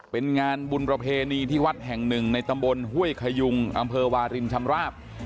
เป็นงานบุญประเพณีที่วัดแห่งหนึ่งในตำบลห้วยขยุงอำเภอวารินชำราบ